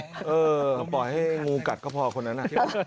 ปล่อยให้งูกัดก็พอคนนั้น